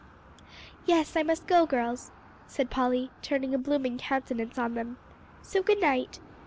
"Yes, I must go, girls," said Polly, turning a blooming countenance on them; "so good night.